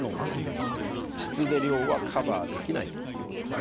質で量はカバーできないということですね。